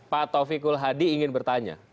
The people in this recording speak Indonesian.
pak taufiq kulhadi ingin bertanya